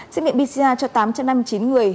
xét nghiệm pisia cho tám trăm năm mươi chín người